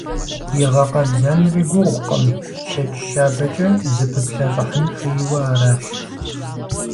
И гъэкъэбзэнри гугъукъым: щэкӏ щабэкӏэ зэпыплъэщӏыхьын хуейуэ аращ.